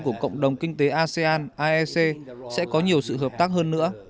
của cộng đồng kinh tế asean aec sẽ có nhiều sự hợp tác hơn nữa